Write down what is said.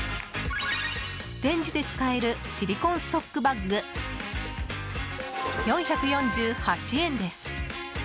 レンジで使えるシリコンストックバッグ４４８円です。